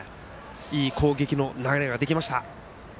いい攻撃の流れができました。